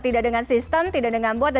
tidak dengan sistem tidak dengan bot